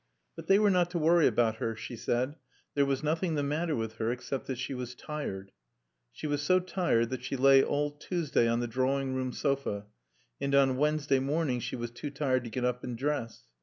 But they were not to worry about her, she said. There was nothing the matter with her except that she was tired. She was so tired that she lay all Tuesday on the drawing room sofa and on Wednesday morning she was too tired to get up and dress.